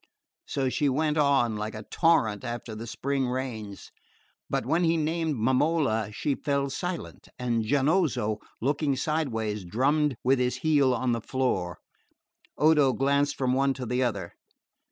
So she went on, like a torrent after the spring rains; but when he named Momola she fell silent, and Giannozzo, looking sideways, drummed with his heel on the floor. Odo glanced from one to the other.